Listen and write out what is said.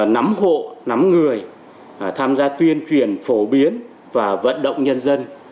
nắm hộ nắm người tham gia tuyên truyền phổ biến và vận động nhân dân